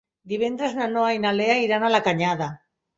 Divendres na Noa i na Lea iran a la Canyada.